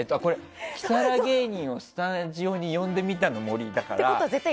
キサラ芸人をスタジオに呼んでみたの森だから。